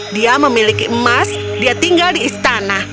dia memiliki emas dia tinggal di istana